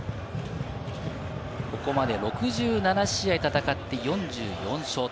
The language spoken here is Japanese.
ここまで６７試合戦って４４勝。